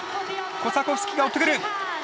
コサコフスキが追ってくる。